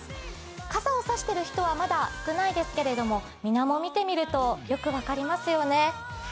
傘を差している人はまだ少ないですけれど、水面を見てみるとよく分かりますよね。